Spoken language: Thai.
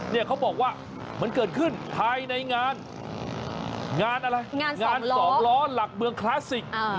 เนี่ยเขาบอกว่ามันเกิดขึ้นถ่ายในงานงานอะไรงานสองล้องานสองล้อหลักเมืองคลาสสิคอ่า